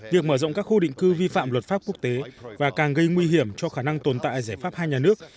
việc mở rộng các khu định cư vi phạm luật pháp quốc tế và càng gây nguy hiểm cho khả năng tồn tại giải pháp hai nhà nước